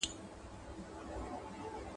• قيامت به کله سي، چي د زوى او مور اکله سي.